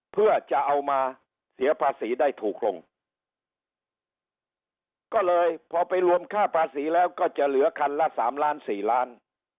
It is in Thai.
เพื่อจะเอามาเสียภาษีได้ถูกลงก็เลยพอไปรวมค่าภาษีแล้วก็จะเหลือคันละสามล้านสี่ล้าน